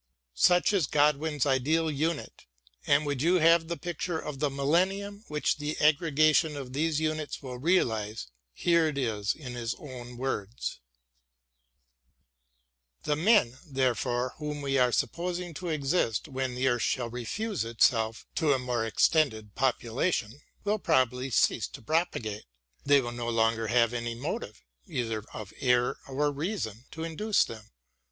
Such is Godwin's ideal unit, and would you have the picture of the millennium which the aggrega tion of these units will realise, here it is in his own words : The men, therefore, whom we are supposing to exist when the earth shall refuse itself to a more extended population, will probably cease to propagate. They will no longer have any motive, either of error or reason, to induce them.